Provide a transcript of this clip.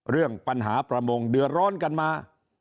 เรื่องปัญหาประมงเดือดร้อนกันมา